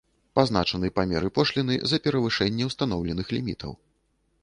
Пазначаны памеры пошліны за перавышэнне устаноўленых лімітаў.